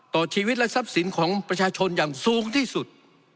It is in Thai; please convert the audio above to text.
ต่อชีวิตและทรัพย์สินของประชาชนอย่างสูงที่สุด